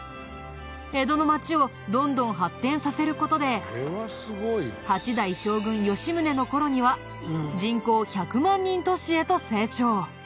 江戸の町をどんどん発展させる事で８代将軍吉宗の頃には人口１００万人都市へと成長。